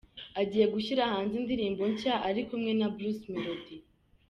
Agiye gushyira hanze indirimbo nshya ari kumwe na Bruce Melody.